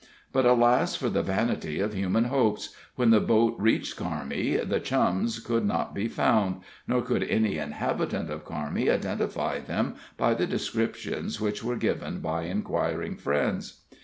But, alas, for the vanity of human hopes! when the boat reached Carmi the Chums could not be found, nor could any inhabitant of Carmi identify them by the descriptions which were given by inquiring friends.